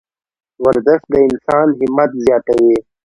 ورزش د انسان همت زیاتوي.